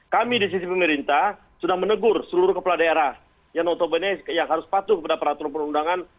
kami di sisi pemerintah sudah menegur seluruh kepala daerah yang notabene yang harus patuh kepada peraturan perundangan